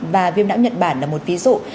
và viêm não nhật bản là một ví dụ